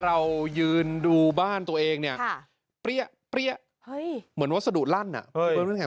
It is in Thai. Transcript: เรายืนดูบ้านตัวเองเนี่ยเปรี้ยเปรี้ยเหมือนวัสดุลั่นอ่ะ